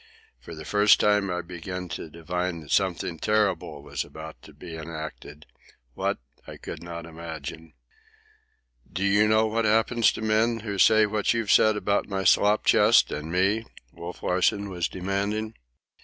For the first time I began to divine that something terrible was about to be enacted,—what, I could not imagine. "Do you know what happens to men who say what you've said about my slop chest and me?" Wolf Larsen was demanding.